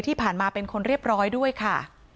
ที่ผ่านมาเป็นคนเรียบร้อยด้วยค่ะ